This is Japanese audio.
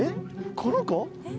この子？